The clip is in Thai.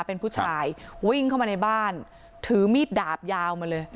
เป็นผู้ชายวิ่งเข้ามาในบ้านถือมีดดาบยาวมาเลย